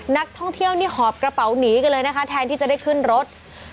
นักท่องเที่ยวนี่หอบกระเป๋าหนีกันเลยนะคะแทนที่จะได้ขึ้นรถ